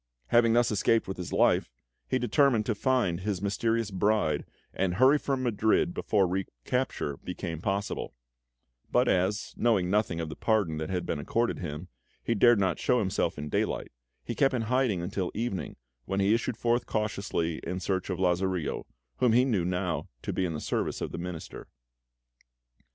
Having thus escaped with his life, he determined to find his mysterious bride and hurry from Madrid before recapture became possible; but as, knowing nothing of the pardon that had been accorded him, he dared not show himself in daylight, he kept in hiding until evening, when he issued forth cautiously in search of Lazarillo, whom he knew would now be in the service of the Minister.